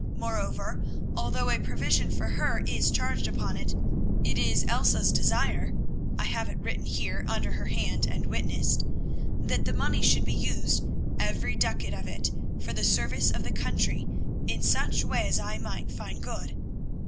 Moreover, although a provision for her is charged upon it, it is Elsa's desire—I have it written here under her hand and witnessed—that the money should be used, every ducat of it, for the service of the country in such way as I might find good.